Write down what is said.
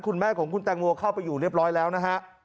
คุณแม่ของคุณแตงโมเข้าไปอยู่เรียบร้อยแล้วนะฮะ